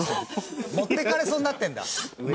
持っていかれそうになってるんだ。